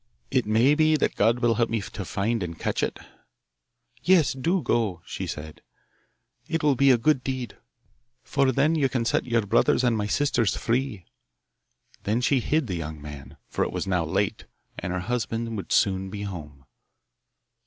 It may be that God will help me to find and catch it.' 'Yes, do go,' she said; 'it will be a good deed, for then you can set your brothers and my sisters free.' Then she hid the young man, for it was now late, and her husband would soon be home.